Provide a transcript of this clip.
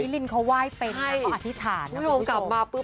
นิลินเขาไหว้เป็นนะก็อธิษฐานครับคุณผู้ชม